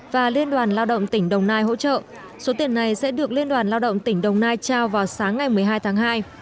và liên đoàn lao động tỉnh đồng nai hỗ trợ số tiền này sẽ được liên đoàn lao động tỉnh đồng nai trao vào sáng ngày một mươi hai tháng hai